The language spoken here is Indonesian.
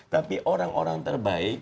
tapi orang orang terbaik